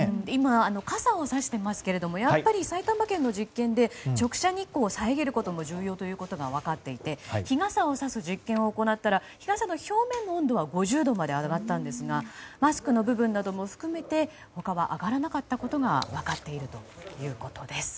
傘をさしていますが埼玉県の実験で直射日光を遮ることも重要ということが分かっていて日傘をさす実験を行ったら日傘の表面温度は５０度まで上がったんですがマスクの部分なども含めて他は上がらなかったことが分かっているということです。